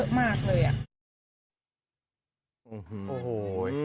สำหรับคนในพื้นที่ก็จะเกิดปฏิเหตุเลย